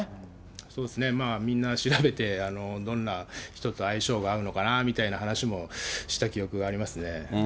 そうですね、みんな調べて、どんな人と相性があるのかなみたいな話をした記憶がありますね。